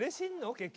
結局。